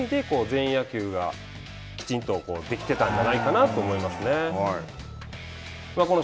そういう意味で全員野球がきちんとできていたんじゃないかなと思いますね。